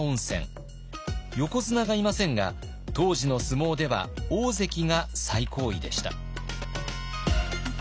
横綱がいませんが当時の相撲では大関が最高位でした。